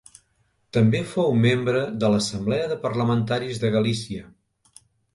També fou membre de l'Assemblea de Parlamentaris de Galícia.